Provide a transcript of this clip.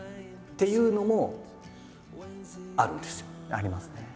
ありますね。